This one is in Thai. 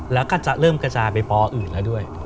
แล้วก็จะเริ่มกระจายไปปอื่นแล้วด้วย